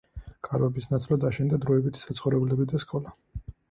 კარვების ნაცვლად აშენდა დროებითი საცხოვრებლები და სკოლა.